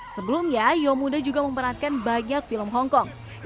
sebelumnya yeoh muda juga memperankan bagiannya